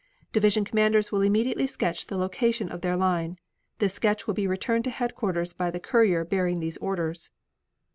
Division commanders will immediately sketch the location of their line. This sketch will be returned to headquarters by the courier bearing these orders.